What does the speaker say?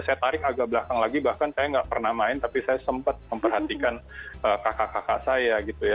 saya tarik agak belakang lagi bahkan saya nggak pernah main tapi saya sempat memperhatikan kakak kakak saya gitu ya